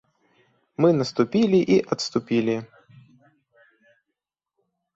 Мы наступілі і адступілі.